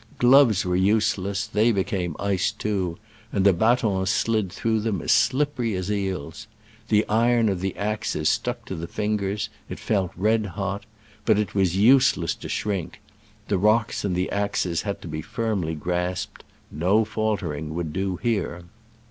Gloves were useless : they became, iced too, and the batons slid through them as slippery as eels. The iron of the axes stuck to the fingers — it felt red hot; but it was useless to shrink : the rocks and the axes had to be f!rmly grasped — no faltering would do here.